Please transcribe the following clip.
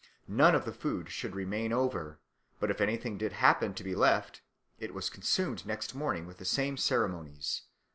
None of the food should remain over; but if anything did happen to be left, it was consumed next morning with the same ceremonies.